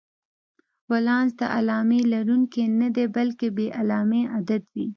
ولانس د علامې لرونکی نه دی، بلکې بې علامې عدد وي.